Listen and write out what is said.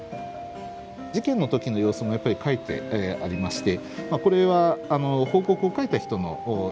事件の時の様子もやっぱり書いてありましてこれは報告を書いた人の主観で書いてあるんですけれども。